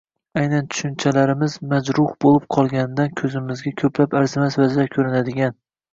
Aynan tushunchalarimiz majruh bo‘lib qolganidan ko‘zimizga ko‘plab arzimas vajlar ko‘rinadigan